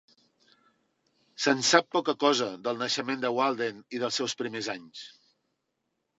Se'n sap poca cosa, del naixement de Walden i dels seus primers anys.